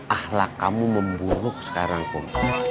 ahlak kamu memburuk sekarang pun